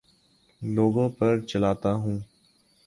لوگوں پر چلاتا ہوں